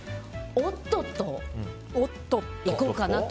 おっとっといこうかなと。